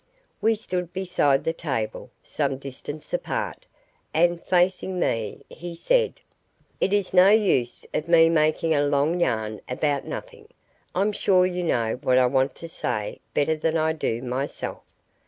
We stood beside the table, some distance apart, and, facing me, he said: "It is no use of me making a long yarn about nothing. I'm sure you know what I want to say better than I do myself.